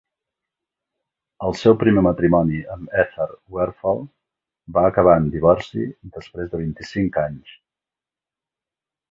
El seu primer matrimoni amb Ethel Werfel va acabar en divorci després de vint-i-cinc anys.